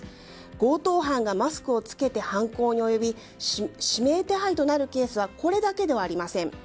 強盗犯がマスクを着けて犯行に及び指名手配となるケースはこれだけではありません。